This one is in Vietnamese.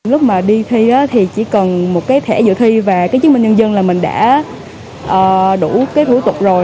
lúc mà đi thi thì chỉ cần một cái thẻ dự thi và cái chứng minh nhân dân là mình đã đủ cái thủ tục rồi